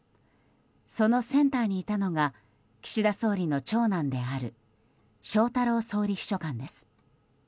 そのセンターにいたのが岸田総理の長男である翔太郎総理秘書官です。